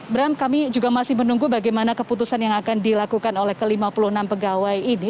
bram kami juga masih menunggu bagaimana keputusan yang akan dilakukan oleh ke lima puluh enam pegawai ini